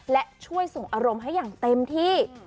และช่วยส่งอารมณ์ให้อย่างเต็มที่